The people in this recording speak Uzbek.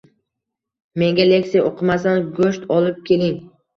Menga leksiya o`qimasdan go`sht olib keling